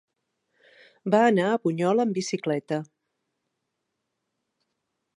Va anar a Bunyola amb bicicleta.